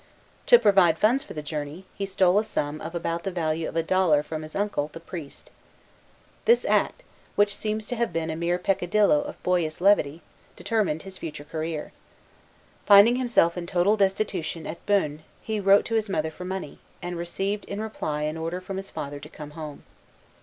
To provide funds for the journey, he stole a sum of about the value of a dollar from his uncle, the priest. This act, which seems to have been a mere peccadillo of boyish levity, determined his future career. Finding himself in total destitution at Beaune, he wrote to his mother for money, and received in reply an order from his father to come home.